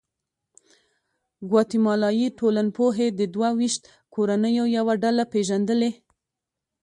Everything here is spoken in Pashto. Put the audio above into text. ګواتیمالایي ټولنپوهې د دوه ویشت کورنیو یوه ډله پېژندلې.